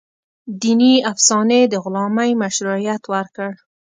دیني افسانې د غلامۍ مشروعیت ورکړ.